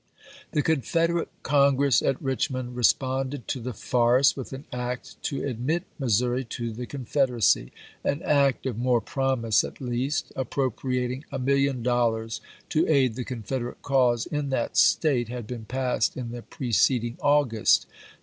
The Confederate Congress at Richmond re sponded to the farce with an act to admit Mis souri to the Confederacy. An act, of more promise HALLECK 89 at least, appropriating a million dollars to aid the chap. v. Confederate cause in that State, had been passed in the preceding August.